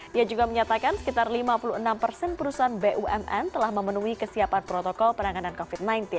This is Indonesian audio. dia juga menyatakan sekitar lima puluh enam persen perusahaan bumn telah memenuhi kesiapan protokol penanganan covid sembilan belas